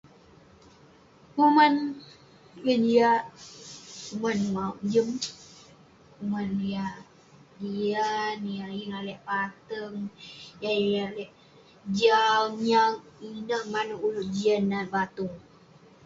Penguman yah jiak, kuman mauk jem, kuman yah jian, yah yeng lalek pateng, yah yeng lalek jau nyag. Ineh manouk ulouk jian nat batung.